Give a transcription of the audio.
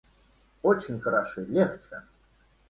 Очень хороши, легче.